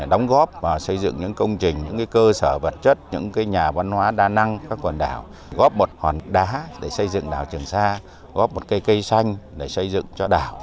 đóng góp và xây dựng những công trình những cơ sở vật chất những nhà văn hóa đa năng các quần đảo góp một hòn đá để xây dựng đảo trường sa góp một cây cây xanh để xây dựng cho đảo